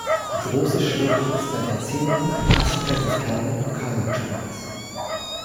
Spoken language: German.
Die große Schlucht ist seit Jahrzehnten ein Klassiker des Kanu- und Kajak-Sports.